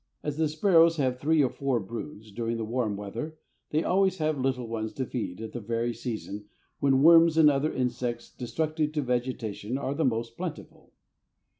As the sparrows have three or four broods during the warm weather, they always have little ones to feed at the very season when worms and other insects destructive to vegetation are the most plentiful.